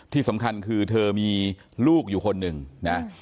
ที่สำคัญคือเธอมีลูกอยู่คนหนึ่งนะ